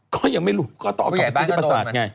ก็ยังไม่รู้ก็ต้องเอาส่งผู้ใหญ่ประสาทไง